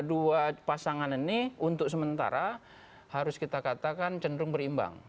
dua pasangan ini untuk sementara harus kita katakan cenderung berimbang